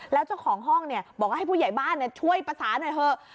แล้วเจ้าของห้องบอกว่าให้ผู้ใหญ่บ้านช่วยประสานหน่อยเถอะ